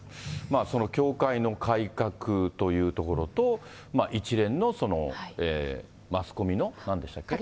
その教会の改革というところと、一連のマスコミのなんでしたっけ？